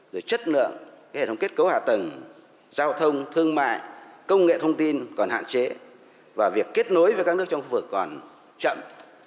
rồi chất lượng hệ thống kết cấu hạ tầng giao thông thương mại công nghệ thông tin còn hạn chế và việc kết nối với các nước trong khu vực còn chậm